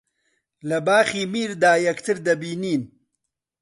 لە باخی میردا یەکتر دەبینن